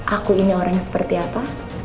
aku ini orang yang seperti apa